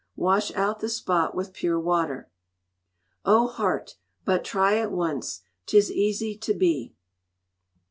Wash out the spot with pure water. [O HEART! BUT TRY IT ONCE; 'TIS EASY TO BE...